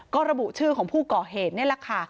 ก็ระบุชื่อของผู้ก่อเหตุนี่แหละค่ะ